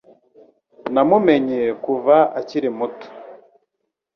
Namumenye kuva akiri muto.